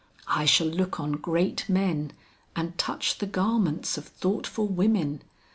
I shall look on great men and touch the garments of thoughtful women.